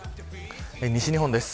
西日本です。